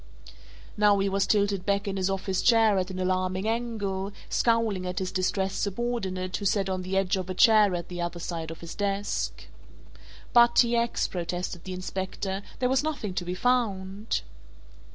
Now he was tilted back in his office chair at an alarming angle, scowling at his distressed subordinate who sat on the edge of a chair at the other side of his desk. "But, T. X.," protested the Inspector, "there was nothing to be found."